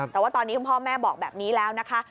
แต่ว่าตอนนี้คุณพ่อแม่บอกแบบนี้แล้วนะคะ